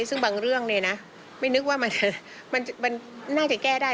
ซึ่งบางเรื่องเนี่ยนะไม่นึกว่ามันน่าจะแก้ได้